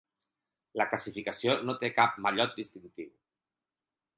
La classificació no té cap mallot distintiu.